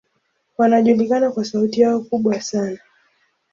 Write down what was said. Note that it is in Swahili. Wanajulikana kwa sauti yao kubwa sana.